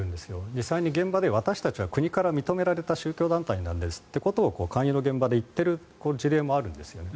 実際に現場で私たちは国から認められた宗教団体なんですと勧誘の現場で言ってる事例もあるんですね。